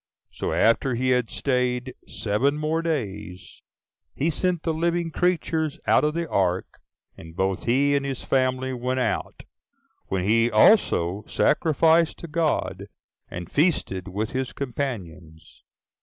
So after he had staid seven more days, he sent the living creatures out of the ark; and both he and his family went out, when he also sacrificed to God, and feasted with his companions.